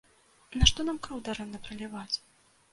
Нашто нам кроў дарэмна праліваць?